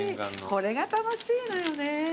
これが楽しいのよね。